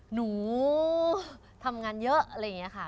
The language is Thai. หนูทำงานเยอะอะไรอย่างนี้ค่ะ